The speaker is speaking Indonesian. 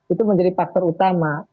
itu menjadi faktor utama